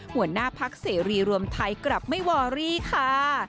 หัวหน้าพักเสรีรวมไทยกลับไม่วอรี่ค่ะ